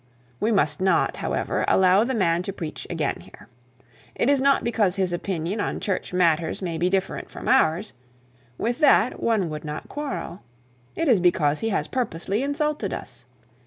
We must not, however, allow the man to preach again here. It is not because his opinion on church matters may be different from ours with that one would not quarrel. It is because he has purposely insulted us.